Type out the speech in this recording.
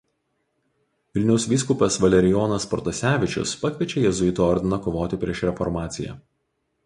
Vilniaus vyskupas Valerijonas Protasevičius pakviečia Jėzuitų ordiną kovoti prieš reformaciją.